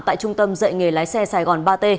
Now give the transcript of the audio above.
tại trung tâm dạy nghề lái xe sài gòn ba t